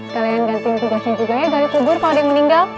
kalian gantiin tugasnya juga ya dari kubur kalau ada yang meninggal